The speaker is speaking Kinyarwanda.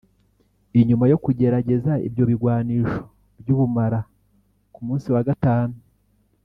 inyuma yo kugerageza ivyo bigwanisho vy’ubumara ku musi wa gatanu